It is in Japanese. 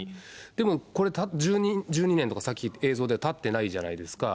でも、１２年とか、先、映像とかでは建ってないじゃないですか。